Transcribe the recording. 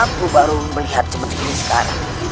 aku baru melihat seperti ini sekarang